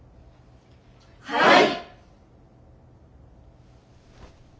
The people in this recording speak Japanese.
はい。